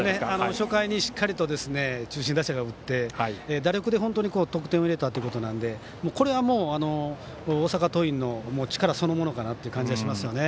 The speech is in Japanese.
初回に中心打者が打って、打力で得点を得れたということなのでこれはもう、大阪桐蔭の力そのものかなという感じがしますよね。